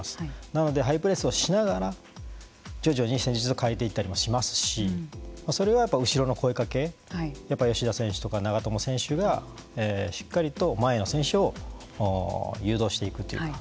なのでハイプレスをしながら徐々に戦術を変えていったりもしますしそれは後ろの声かけやっぱ吉田選手とか長友選手がしっかりと前の選手を誘導していくというか。